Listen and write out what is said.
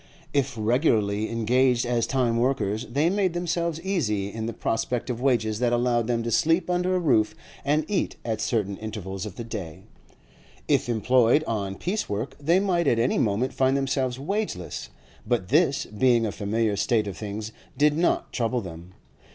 If regularly engaged as time workers, they made themselves easy in the prospect of wages that allowed them to sleep under a roof and eat at certain intervals of the day; if employed on piece work they might at any moment find themselves wageless, but this, being a familiar state of things, did not trouble them.